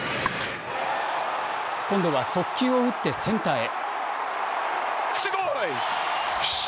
今度は速球を打ってセンターへ。